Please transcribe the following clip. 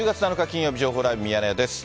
金曜日、情報ライブミヤネ屋です。